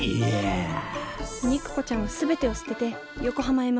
肉子ちゃんは全てを捨てて横浜へ向かった。